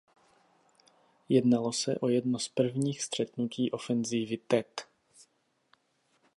Jednalo se o jedno z prvních střetnutí ofenzívy Tet.